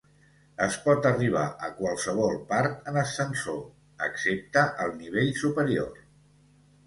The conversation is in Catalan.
Es pot arribar a qualsevol part en ascensor, excepte al nivell superior.